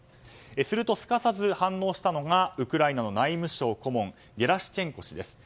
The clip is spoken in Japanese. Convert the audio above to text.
すると、すかさず反応したのがウクライナの内務相顧問ゲラシチェンコ氏です。